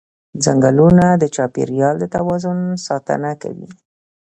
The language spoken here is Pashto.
ځنګلونه د چاپېریال د توازن ساتنه کوي